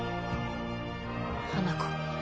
花子。